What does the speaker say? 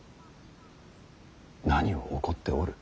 何を怒っておる。